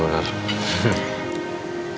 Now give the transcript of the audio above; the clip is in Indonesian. bapak juga bisa berusaha